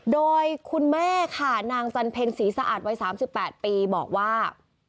โดยคุณแม่ค่ะนางจันเพ็ญศรีสะอาดวัย๓๘ปีบอกว่า